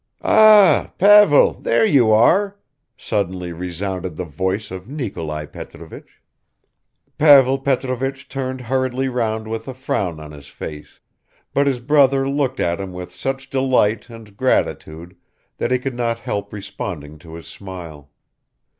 "Ah, Pavel, there you are!" suddenly resounded the voice of Nikolai Petrovich. Pavel Petrovich turned hurriedly round with a frown on his face, but his brother looked at him with such delight and gratitude that he could not help responding to his smile.